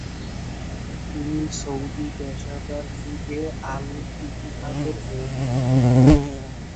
তিনি সৌদি পেশাদার লীগে আল-ইতিহাদের হয়ে খেলেন।